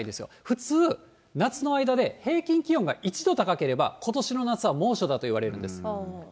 普通、夏の間で、平均気温が１度高ければ、ことしの夏は猛暑だといわれるんです。